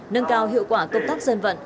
nâng cao hiệu quả công tác dân vận